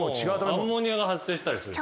アンモニアが発生したりする。